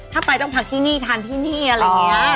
ถ้าไปต้องพักที่นี่ทานที่นี่อะไรอย่างนี้